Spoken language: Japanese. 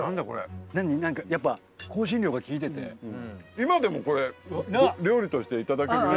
今でもこれ料理として頂けるね。